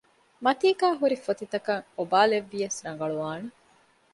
މަތީގައި ހުރިފޮތިތަކަށް އޮބާލެއްވިޔަސް ރަނގަޅުވާނެ